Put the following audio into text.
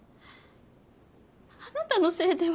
あなたのせいで私は。